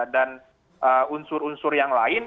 dan unsur unsur yang lain